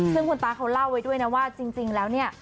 ซึ่งคุณตาเขาเล่าไว้ด้วยนะว่าจริงแล้วเนี่ย